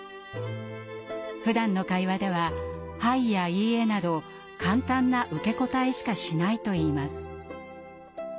ふだんの会話では「はい」や「いいえ」など簡単な受け答えしかしないといいます。